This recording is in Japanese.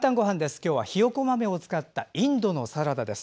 今日はひよこ豆を使ったインドのサラダです。